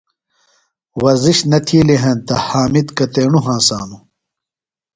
ورزش نہ تِھیلیۡ ہینتہ حامد کتیݨوۡ ہنسانوۡ؟